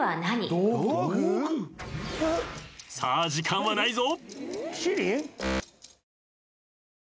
さあ時間はないぞ！